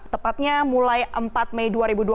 tepatnya mulai empat mei dua ribu dua puluh